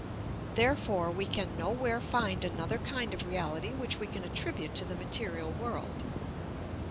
Therefore we can nowhere find another kind of reality which we can attribute to the material world.